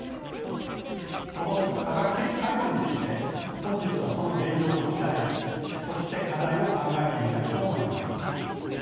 この科学的介護について本日はその現状と期待そして課題を考えてみたいと思います。